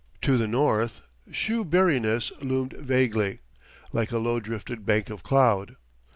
To the north, Shoeburyness loomed vaguely, like a low drifted bank of cloud.